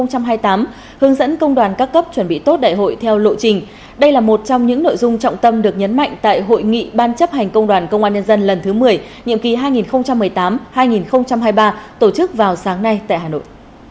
hướng dẫn công đoàn các cấp chuẩn bị tốt đại hội theo lộ trình đây là một trong những nội dung trọng tâm được nhấn mạnh tại hội nghị ban chấp hành công đoàn công an nhân dân lần thứ một mươi nhiệm kỳ hai nghìn một mươi tám hai nghìn hai mươi ba tổ chức vào sáng nay tại hà nội